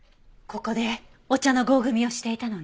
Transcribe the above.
ここでお茶の合組をしていたのね。